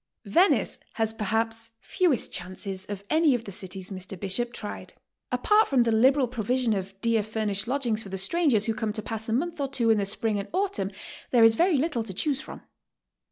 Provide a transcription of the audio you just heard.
Venice has perhaps fewest chances of any of the cities Mr. Bishop tried. "Apart from 4 he liberal proviision of dear furnished lodgings for the strangers who come to pass a m.onth or two in the spring and autumn, there is very little to chcyose from."